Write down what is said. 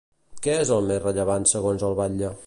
Què és el més rellevant segons el batlle?